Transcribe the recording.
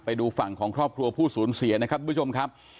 ไปดูฝั่งของครอบครัวผู้สูญเสียนะครับ